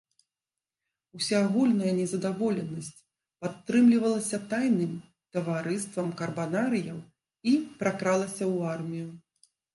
Усеагульная незадаволенасць падтрымлівалася тайным таварыствам карбанарыяў і пракралася ў армію.